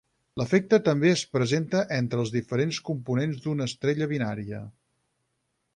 L'efecte també es presenta entre els diferents components d'una estrella binària.